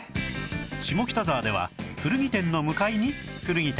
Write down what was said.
下北沢では古着店の向かいに古着店